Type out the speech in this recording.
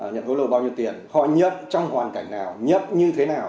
nhận hối lộ bao nhiêu tiền họ nhấp trong hoàn cảnh nào nhấp như thế nào